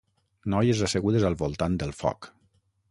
Noies assegudes al voltant del foc